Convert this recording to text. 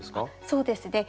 そうですね。